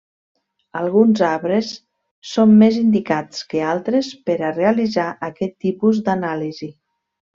Alguns arbres són més indicats que altres per a realitzar aquest tipus d'anàlisi.